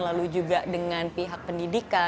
lalu juga dengan pihak pendidikan